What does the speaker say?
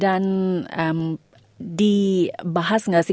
dan dibahas nggak sih